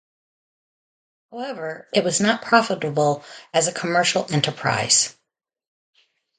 However, it was not profitable as a commercial enterprise.